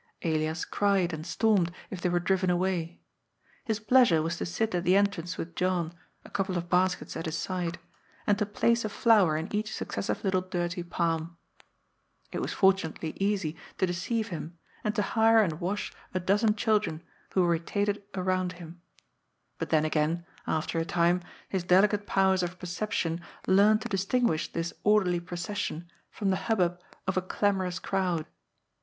Elias cried and stormed, if they were driven away. His pleasure was to sit at the entrance with John, a couple of baskets at his side, and to place a flower in each suc cessive little dirty palm. It was fortunately easy to deceive him, and to hire and wash a dozen children who rotated around him. But then again, after a time, his delicate powers of perception learned to distinguish this orderly procession from the hubbub of a clamorous crowd.